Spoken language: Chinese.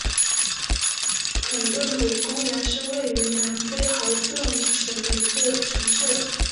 肯普顿公园是位于南非豪登省的一个城市。